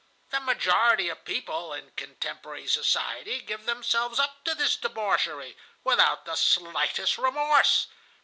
The majority of people in contemporary society give themselves up to this debauchery without the slightest remorse.